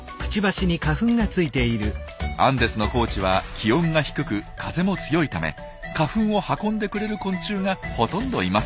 アンデスの高地は気温が低く風も強いため花粉を運んでくれる昆虫がほとんどいません。